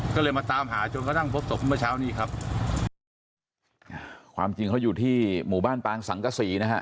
ก็เลยมาตามหาจนกระทั่งพบศพเมื่อเช้านี้ครับความจริงเขาอยู่ที่หมู่บ้านปางสังกษีนะฮะ